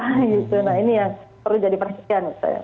nah ini yang perlu jadi persisian